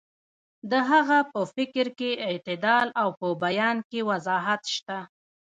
د هغه په فکر کې اعتدال او په بیان کې وضاحت شته.